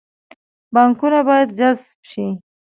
پانګونه باید جذب شي